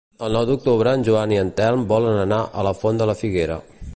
El nou d'octubre en Joan i en Telm volen anar a la Font de la Figuera.